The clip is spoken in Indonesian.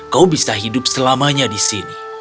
kau bisa hidup selamanya di sini